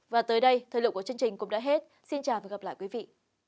và tới đây thời lượng của chương trình cũng đã hết xin chào và hẹn gặp lại quý vị